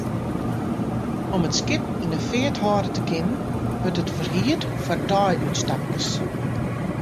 Om it skip yn 'e feart hâlde te kinnen, wurdt it ferhierd foar deiútstapkes.